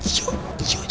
tak kemana sih